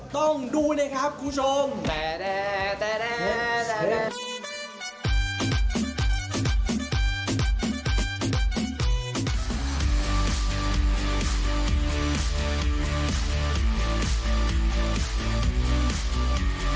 ต้องดูเลยครับคุณผู้ชม